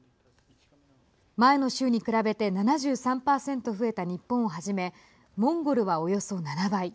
前の週に比べて７３％増えた日本をはじめモンゴルは、およそ７倍。